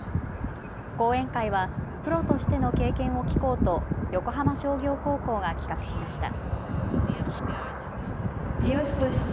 講演会はプロとしての経験を聞こうと横浜商業高校が企画しました。